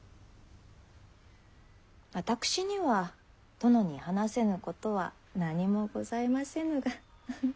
私には殿に話せぬことは何もございませぬが。